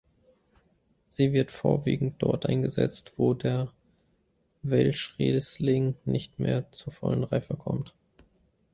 Sie wird vorwiegend dort eingesetzt, wo der Welschriesling nicht mehr zur vollen Reife kommt.